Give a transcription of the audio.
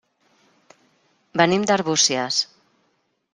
Venim d'Arbúcies.